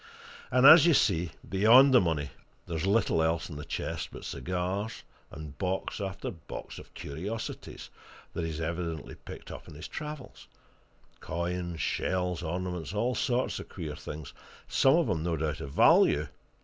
And as you see, beyond the money, there's little else in the chest but cigars, and box after box of curiosities that he's evidently picked up in his travels coins, shells, ornaments, all sorts of queer things some of 'em no doubt of value.